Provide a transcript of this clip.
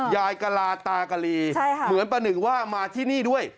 ยายกะลาตากะลีเหมือนประหนึ่งว่ามาที่นี่ด้วย